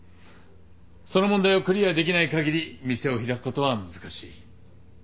その問題をクリアできないかぎり店を開くことは難しい。